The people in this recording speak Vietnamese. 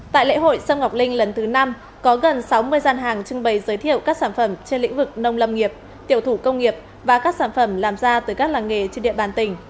tại lễ hội sâm ngọc linh lần thứ năm có gần sáu mươi gian hàng trưng bày giới thiệu các sản phẩm trên lĩnh vực nông lâm nghiệp tiểu thủ công nghiệp và các sản phẩm làm ra từ các làng nghề trên địa bàn tỉnh